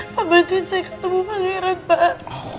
pak bantuin saya ketemu pangeran pak